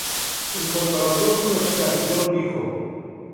En cuanto a la próxima gira, Jon dijo:.